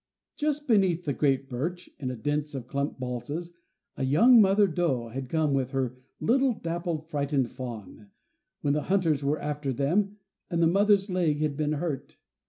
Just beneath the great birch, in a dense clump of balsams, a young mother doe had come with her little dappled, frightened fawn, when the hunters were after them, and the mother's leg had been hurt.